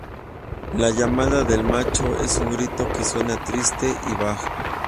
La llamada del macho es un grito que suena triste y bajo.